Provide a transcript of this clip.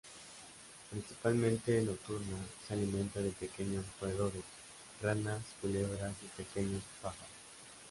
Principalmente nocturna, se alimenta de pequeños roedores, ranas, culebras y pequeños pájaros.